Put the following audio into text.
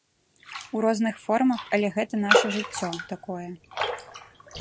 У розных формах, але гэта наша жыццё такое.